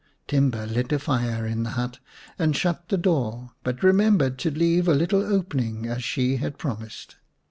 Timba lit a fire in the hut and shut the door, but remembered to leave a little opening as she had promised.